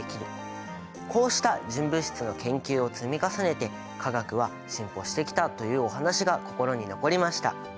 こうした純物質の研究を積み重ねて化学は進歩してきたというお話が心に残りました。